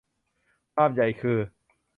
ภาพใหญ่คือ